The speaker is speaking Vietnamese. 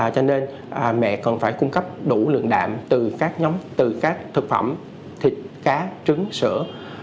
cho nên mẹ còn phải cung cấp đủ lượng đạm từ các thực phẩm thịt cá trứng sữa